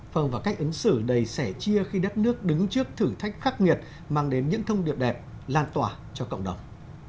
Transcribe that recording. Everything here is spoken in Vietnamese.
vâng và cách ứng xử đầy chia khi đất nước đứng trước thử thách khắc nghiệt mang đến những thông điệp đẹp lan tỏa cho cộng đồng